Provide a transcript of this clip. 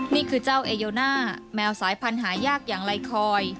นี่คือเจ้าเอโยน่าแมวสายพันธุ์หายากอย่างไลคอย